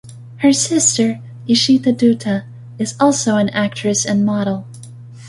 Her sister, Ishita Dutta, is also an actress and model.